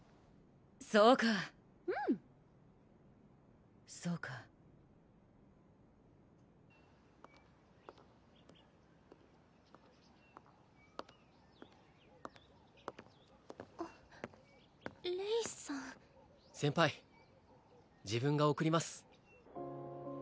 そうかうんそうかあっレイさん先輩自分が送ります